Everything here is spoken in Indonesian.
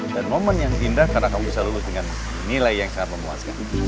dan momen yang indah karena kamu bisa lulus dengan nilai yang sangat memuaskan